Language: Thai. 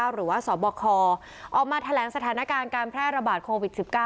หรือว่าสบคออกมาแถลงสถานการณ์การแพร่ระบาดโควิด๑๙